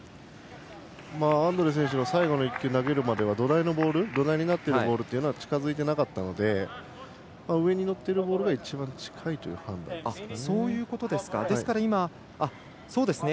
アンドレイチク選手は最後の１球投げるまでは土台になってるボールというのは近づいてなかったので上に乗っているボールが一番近いという判断ですかね。